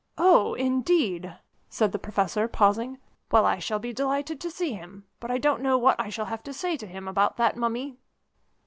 "Oh! indeed," said the Professor, pausing. "Well, I shall be delighted to see him but I don't know what I shall have to say to him about that Mummy."